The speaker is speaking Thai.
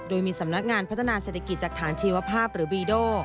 โดยมีสำนักงานพัฒนาเศรษฐกิจจากฐานชีวภาพหรือวีโด